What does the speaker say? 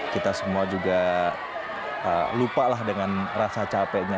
kita semua juga lupalah dengan rasa capeknya